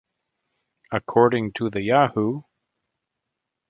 According to the Yahoo!